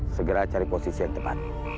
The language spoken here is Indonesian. segera cari posisi yang tepat